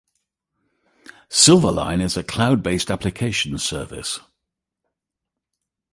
Silverline is a cloud-based application service.